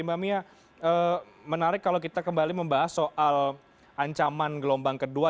mbak mia menarik kalau kita kembali membahas soal ancaman gelombang kedua